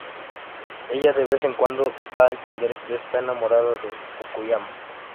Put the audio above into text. Ella de vez en cuando da a entender que está enamorada de Fukuyama.